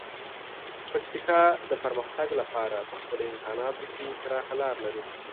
پکتیکا د پرمختګ لپاره په خپلو امکاناتو کې پراخه لاره لري.